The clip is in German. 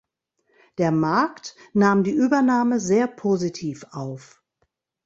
Der Markt nahm die Übernahme sehr positiv auf.